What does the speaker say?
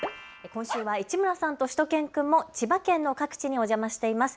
今週は市村さんとしゅと犬くんも千葉県の各地にお邪魔しています。